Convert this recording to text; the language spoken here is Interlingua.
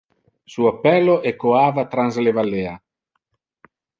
Su appello echoava trans le vallea.